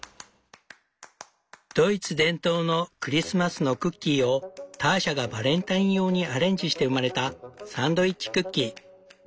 ドイツ伝統のクリスマスのクッキーをターシャがバレンタイン用にアレンジして生まれた「サンドイッチクッキー」。